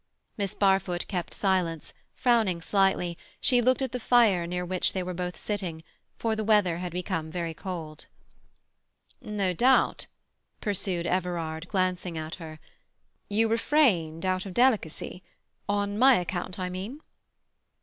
Miss Barfoot kept silence; frowning slightly, she looked at the fire near which they were both sitting, for the weather had become very cold. "No doubt," pursued Everard, glancing at her, "you refrained out of delicacy—on my account, I mean."